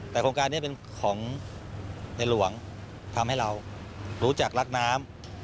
แต่โครงการนี้เป็นของในหลวงทำให้เรารู้จักรักน้ำ